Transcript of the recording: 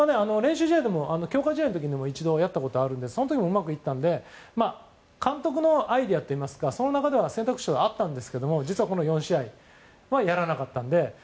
強化試合の時も一度やったことがあるのでその時もうまくいったので監督のアイデアといいますかその中では選択肢としてはあったんですけど４試合はやらなかったので。